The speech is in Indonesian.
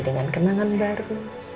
dengan kenangan baru